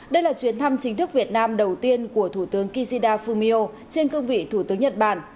đây là chuyến thăm chính thức việt nam đầu tiên của thủ tướng kishida fumio trên cương vị thủ tướng nhật bản